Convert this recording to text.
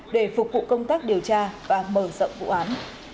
để phục vụ công tác điều tra và mở rộng vụ án